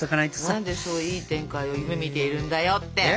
何でそういい展開を夢みているんだよって！